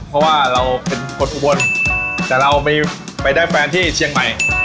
เพราะว่าเราเป็นคนอุบลแต่เราไปได้แฟนที่เชียงใหม่